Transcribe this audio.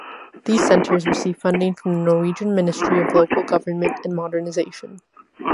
These centers receive funding from the Norwegian Ministry of Local Government and Modernization.